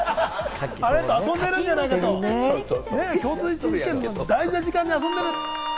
遊んでるんじゃないか？と、共通一次試験、大事な時間に遊んでる。